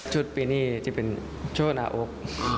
ชุดปีนี้จะเป็นชุดหน้าอก